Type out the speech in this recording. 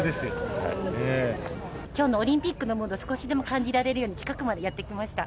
きょうのオリンピックのムード、少しでも感じられるように、近くまでやって来ました。